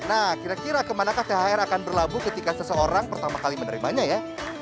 nah kira kira kemanakah thr akan berlabuh ketika seseorang pertama kali menerimanya ya